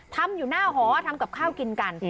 ทำอยู่หน้าหอทำกับข้าวกินกัน